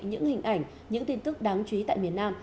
những hình ảnh những tin tức đáng chú ý tại miền nam